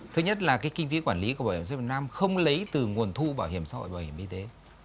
thứ nhất là cái kinh phí quản lý của bảo hiểm xã hội bảo hiểm y tế không lấy từ nguồn thu bảo hiểm xã hội bảo hiểm y tế